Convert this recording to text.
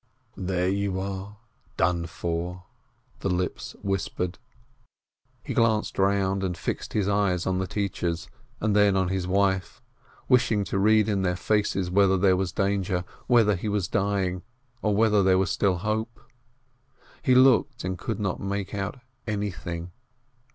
"There you are, done for!" the lips whispered. He glanced round, and fixed his eyes on the teachers, and then on his wife, wishing to read in their faces whether there was danger, whether he was dying, or whether there was still hope. He looked, and could not make out anything.